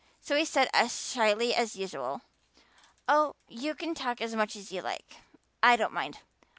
So he said as shyly as usual: "Oh, you can talk as much as you like. I don't mind."